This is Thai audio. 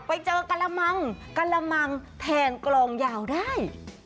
ไปเจอกระมังกะละมังแทนกลองยาวได้